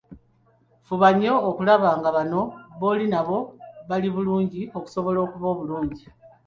Fuba nnyo okulaba nga banno booli nabo bali bulungi okusobola okuba obulungi.